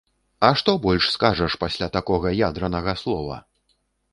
А што больш скажаш пасля такога ядранага слова!